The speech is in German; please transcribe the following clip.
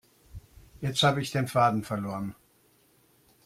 Jetzt habe ich den Faden verloren.